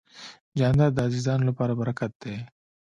جانداد د عزیزانو لپاره برکت دی.